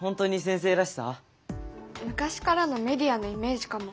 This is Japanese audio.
昔からのメディアのイメージかも。